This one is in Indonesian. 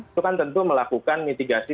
itu kan tentu melakukan mitigasi